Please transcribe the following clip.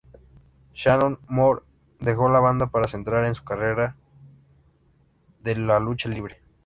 Shannon Moore dejó la banda para centrar en su carrera de la lucha libre.